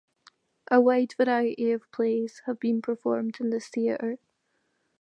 A wide variety of plays have been performed in this theater.